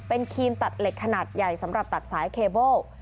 เป็นครีมตัดขนาดเล็กใหญ่สำหรับตัดสายเคเบิ้ล